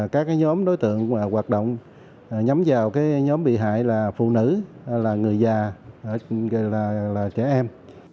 các nhóm đối tượng hoạt động nhắm vào nhóm bị hại là phụ nữ là người già trẻ em